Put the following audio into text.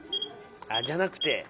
あじゃなくて。